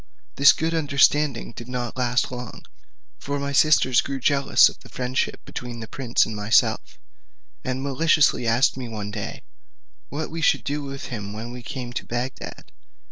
this good understanding did not last long, for my sisters grew jealous of the friendship between the prince and myself, and maliciously asked me one day, what we should do with him when we came to Bagdad?